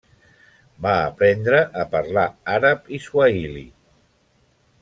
Va aprendre a parlar àrab i suahili.